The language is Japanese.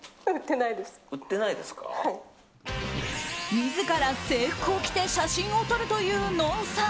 自ら制服を着て写真を撮るというＮＯＮさん。